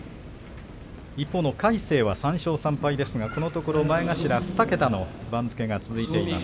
一方の魁聖は３勝３敗ですがこのところ前頭２桁の番付が続いています。